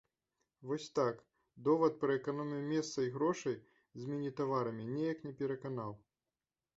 Вось так, довад пра эканомію месца і грошай з міні-таварамі неяк не пераканаў.